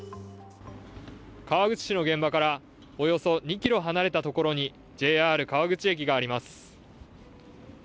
川口市の現場から、およそ２ｋｍ離れたところにＪＲ川口駅があります。